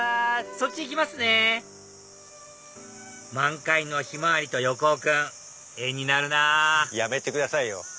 そっち行きますね満開のヒマワリと横尾君絵になるなぁやめてくださいよ。